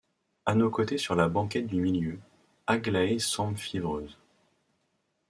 À nos côtés sur la banquette du milieu, Aglaé semble fiévreuse.